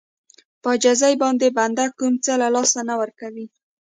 په عاجزي باندې بنده کوم څه له لاسه نه ورکوي.